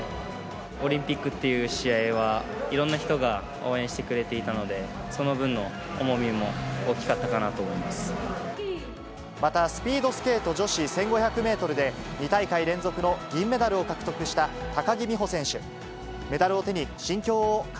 オリンピックという試合は、いろんな人が応援してくれていたので、その分の重みも大きかったまたスピードスケート女子１５００メートルで、２大会連続の銀メダルを獲得した高木美帆選手。